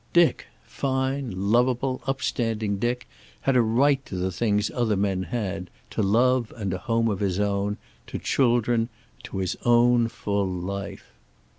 Dick, fine, lovable, upstanding Dick, had a right to the things other men had, to love and a home of his own, to children, to his own full life.